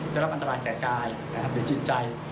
จะรับอันตรายแก่กายอยู่จิตใจ